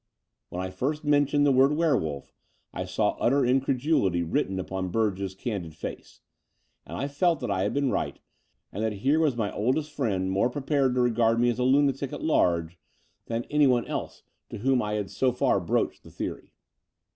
When I first mentioned the word "werewolf," I saw utter incredulity written upon Burge's candid face; and I felt that I had been right, and that here was my oldest friend more prepared to r^ard me as a lunatic at large than anyone else to The Dower House 227 'whom I had so far broached the theory.